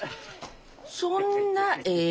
そんなええ